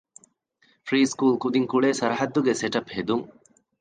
ޕްރީސްކޫލް ކުދިން ކުޅޭ ސަރަޙައްދުގެ ސެޓަޕް ހެދުން